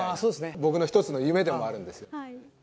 僕の一つの夢でもあるんです。